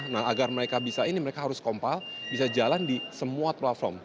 nah agar mereka bisa ini mereka harus kompal bisa jalan di semua platform